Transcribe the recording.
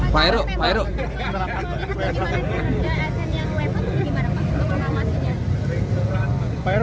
pak ero pak ero